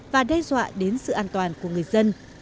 và đe dọa đến sự an toàn của người dân